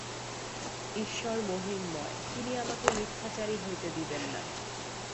ঈশ্বর মহিমময়, তিনি আমাকে মিথ্যাচারী হইতে দিবেন না।